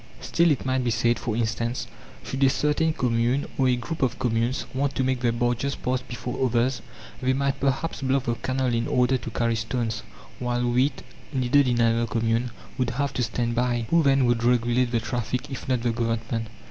Still, it might be said, for instance: "Should a certain commune, or a group of communes, want to make their barges pass before others, they might perhaps block the canal in order to carry stones, while wheat, needed in another commune, would have to stand by. Who, then, would regulate the traffic if not the Government?"